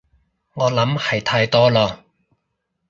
我諗係太多囉